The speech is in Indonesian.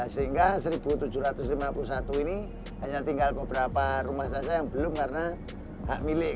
sehingga seribu tujuh ratus lima puluh satu ini hanya tinggal beberapa rumah saja yang belum karena hak milik